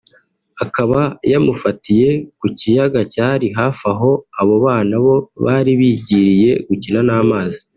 akaba yamufatiye ku kiyaga cyari hafi aho abo bana bo bari bigiriye gukina n’amazi